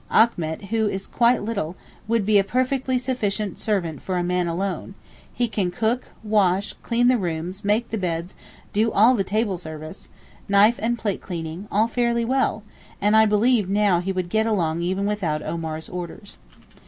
Achmet, who is quite little, would be a perfectly sufficient servant for a man alone; he can cook, wash, clean the rooms, make the beds, do all the table service, knife and plate cleaning, all fairly well, and I believe now he would get along even without Omar's orders.